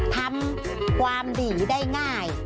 ทำความดีได้ง่าย